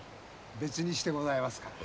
別にしてございますから。